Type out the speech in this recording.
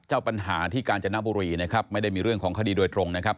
เจ้าปัญหาที่กาญจนบุรีนะครับไม่ได้มีเรื่องของคดีโดยตรงนะครับ